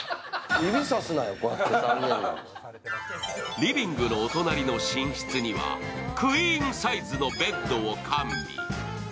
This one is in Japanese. リビングのお隣の寝室には、クイーンサイズのベッドを完備。